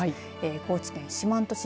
高知県四万十市